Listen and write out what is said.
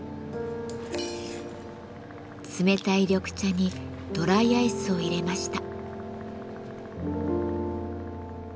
冷たい緑茶にドライアイスを入れました。